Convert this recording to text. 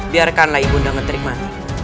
biarkanlah ibunda ngetrik mati